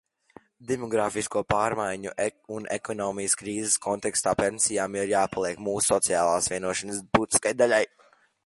Demogrāfisko pārmaiņu un ekonomikas krīzes kontekstā pensijām ir jāpaliek mūsu sociālās vienošanās būtiskai daļai.